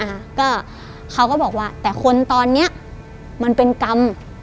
นะคะก็เขาก็บอกว่าแต่คนตอนเนี้ยมันเป็นกรรม